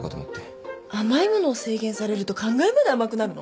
甘い物を制限されると考えまで甘くなるの？